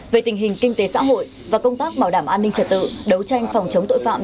về tình hình kinh tế xã hội và công tác bảo đảm an ninh trật tự đấu tranh phòng chống tội phạm